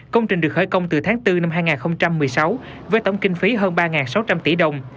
công trình được khởi công từ tháng bốn năm hai nghìn một mươi sáu với tổng kinh phí hơn ba sáu trăm linh tỷ đồng